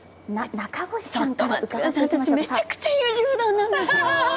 めちゃくちゃ優柔不断なんですよ。